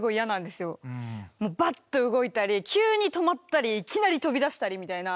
もうバッと動いたり急に止まったりいきなり飛び出したりみたいな。